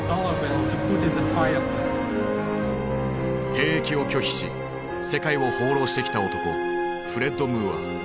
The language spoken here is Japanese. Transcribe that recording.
兵役を拒否し世界を放浪してきた男フレッド・ムーア。